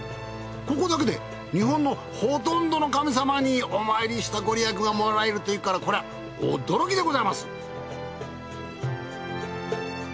ここだけで日本のほとんどの神様にお参りしたご利益がもらえるというからこりゃ驚きでございます。